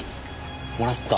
もらった。